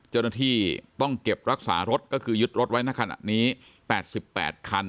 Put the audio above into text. เจ้าหน้าที่ต้องเก็บรักษารถก็คือยึดรถไว้ในขณะนี้๘๘คัน